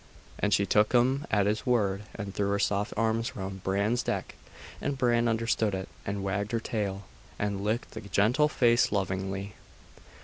And she took him at his word, and threw her soft arms round Bran's Deck; and Bran understood it, and wagged her tail, and licked the gentle face lovingly.